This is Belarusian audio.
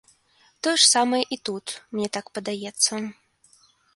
Тое ж самае і тут, мне так падаецца.